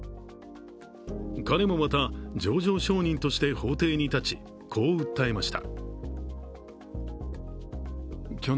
彼もまた情状証人として法廷に立ちこう訴えました。